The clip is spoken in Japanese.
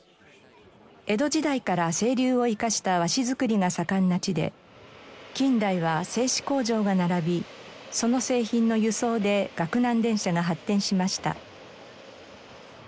江戸時代から清流を生かした和紙づくりが盛んな地で近代は製紙工場が並びその製品の輸送で岳南電車が発展しました。